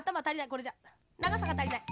これじゃながさがたりない。